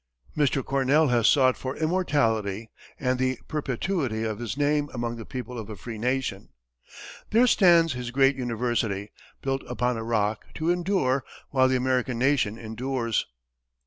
Mr. Cornell has sought for immortality, and the perpetuity of his name among the people of a free nation. There stands his great university, built upon a rock, to endure while the American nation endures."